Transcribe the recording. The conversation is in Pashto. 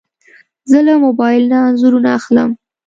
زه له موبایل نه انځورونه اخلم.